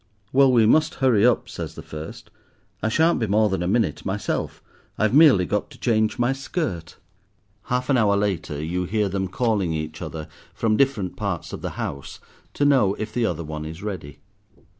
"Well, we must hurry up," says the first; "I shan't be more than a minute myself, I've merely got to change my skirt." Half an hour later you hear them calling to each other, from different parts of the house, to know if the other one is ready.